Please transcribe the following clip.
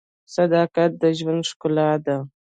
• صداقت د ژوند ښکلا ده.